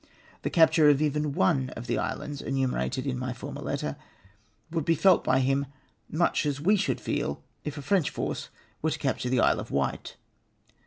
The capture of even one of tlie islands enumerated in my former letter would be felt by him much as we should feel if a French force were to capture the Isle of Wight.